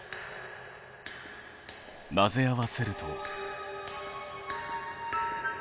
混ぜ合わせると。